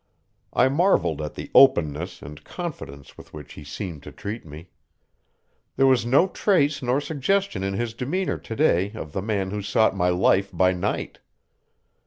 I marveled at the openness and confidence with which he seemed to treat me. There was no trace nor suggestion in his demeanor to day of the man who sought my life by night.